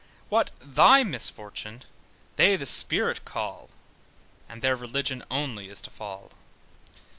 What thy misfortune, they the spirit call, And their religion only is to fall.